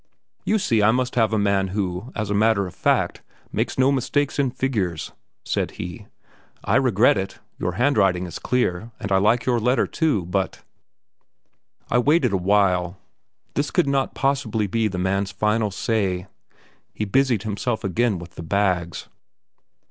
"You see I must have a man who, as a matter of fact, makes no mistakes in figures," said he. "I regret it, your handwriting is clear, and I like your letter, too, but " I waited a while; this could not possibly be the man's final say. He busied himself again with the bags.